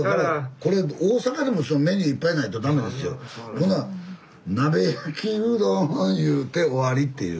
こんなん「鍋焼きうどん」いうて終わりっていう。